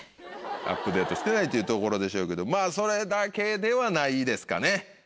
アップデートしてないというところでしょうけどまぁそれだけではないですかね。